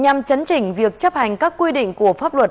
nhằm chấn chỉnh việc chấp hành các quy định của pháp luật